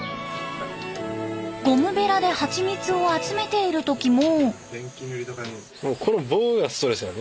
ゴムベラでハチミツを集めている時も。